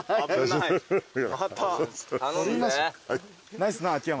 ナイスな秋山。